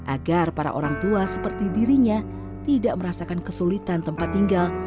agar para orang tua seperti dirinya tidak merasakan kesulitan tempat tinggal